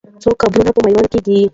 څو قبرونه په میوند کې دي؟